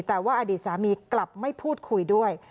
แต่ว่าอดีตสามีกลับไม่พูดคุยด้วย